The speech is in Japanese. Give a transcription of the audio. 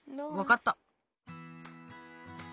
わかった。